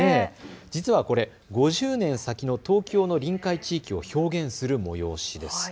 実はこれ、５０年先の東京の臨海地域を表現する催しです。